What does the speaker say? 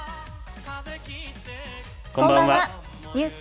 こんばんは。